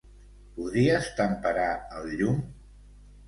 Podries temperar el llum?